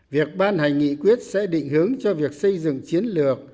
việc ban hành nghị quyết sẽ định hướng cho việc xây dựng chiến lược